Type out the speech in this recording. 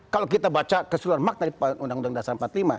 kalau kita baca keseluruhan mak tadi undang undang dasar empat puluh lima